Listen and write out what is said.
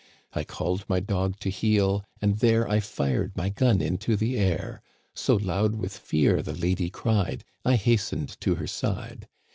I called my dog to heel, and there I fired my gun into the air. So loud with fear the lady cried, I hastened to her side.